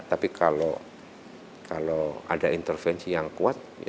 tapi kalau ada intervensi yang kuat